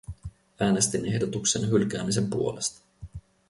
Äänestin ehdotuksen hylkäämisen puolesta.